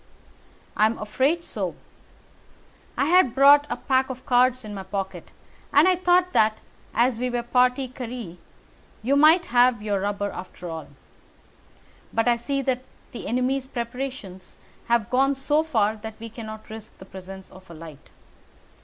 "I am afraid so. I had brought a pack of cards in my pocket, and I thought that, as we were a partie carrée, you might have your rubber after all. But I see that the enemy's preparations have gone so far that we cannot risk the presence of a light.